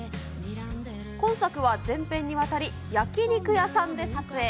今作は全編にわたり、焼き肉屋さんで撮影。